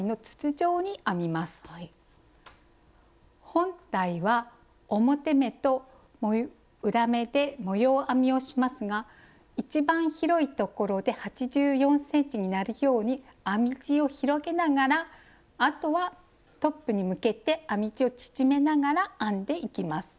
本体は表目と裏目で模様編みをしますが一番広いところで８４ｃｍになるように編み地を広げながらあとはトップに向けて編み地を縮めながら編んでいきます。